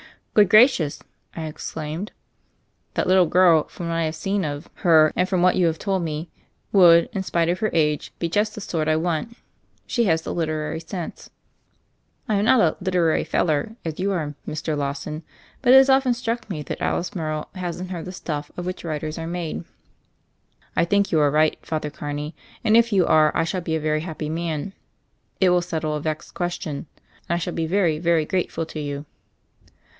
"Good gracious !" I exclaimed. "That little girl, from what I have seen of 2o8 THE FAIRY OF THE SNOWS her and from what you have told mc, would, in spite of her age, be just the sort I want ; she has the literary sense." "I am not a *literary fellur' as you are, Mr. Lawson, but it has often struck me that Alice Morrow has in her the stuff of which writers are made." "I think you are right. Father Carney, and if you are I shall be a very happy man. It will settle a vexed question. And I shall be very, very grateful to you."